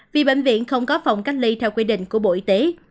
vì bệnh viện không có phòng cách ly theo quy định của bộ y tế